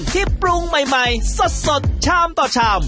ปรุงใหม่สดชามต่อชาม